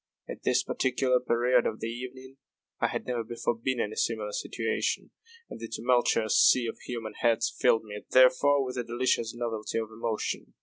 At this particular period of the evening I had never before been in a similar situation, and the tumultuous sea of human heads filled me, therefore, with a delicious novelty of emotion.